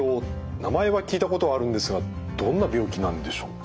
名前は聞いたことはあるんですがどんな病気なんでしょうか？